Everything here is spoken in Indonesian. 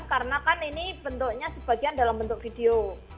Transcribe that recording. karena kan ini bentuknya sebagian dalam bentuk video